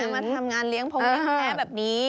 มาทำงานเลี้ยงพรงแพะแบบนี้